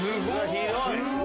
広い！